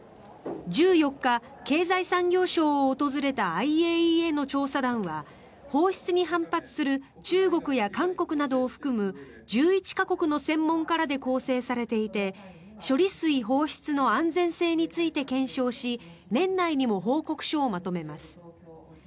１４日、経済産業省を訪れたＩＡＥＡの調査団は放出に反発する中国や韓国などを含む１１か国の専門家らで構成されていて処理水放出の安全性について検証し年内にも報告書をまとめます。